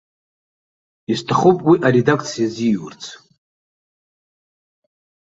Исҭахуп уи аредакциа азиурц.